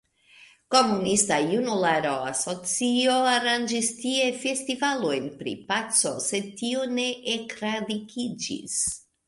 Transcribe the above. Komunista Junulara Asocio aranĝis tie festivalojn pri Paco, sed tio ne enradikiĝis.